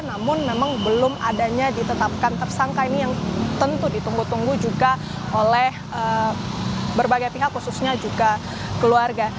namun memang belum adanya ditetapkan tersangka ini yang tentu ditunggu tunggu juga oleh berbagai pihak khususnya juga keluarga